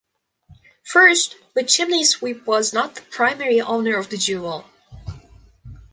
First, the chimney sweep was not the primary owner of the jewel.